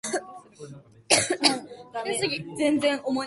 北海道洞爺湖町